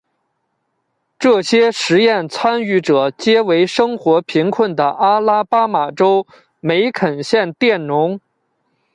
这些实验参与者皆为生活贫困的阿拉巴马州梅肯县佃农。